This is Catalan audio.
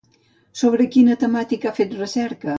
Sobre quina temàtica ha fet recerca?